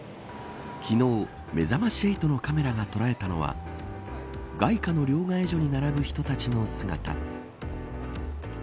昨日、めざまし８のカメラが捉えたのは外貨の両替所に並ぶ人たちの姿。